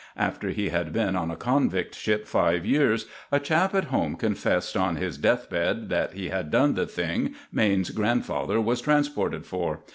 After he had been on a convict ship five years a chap at home confessed on his death bed that he had done the thing Maine's grandfather was transported for.